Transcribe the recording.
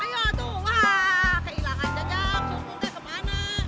ayo tuh wah kehilangan jejak surtimek kemana